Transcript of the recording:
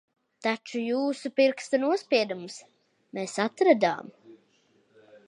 Taču jūsu pirkstu nospiedumus mēs atradām.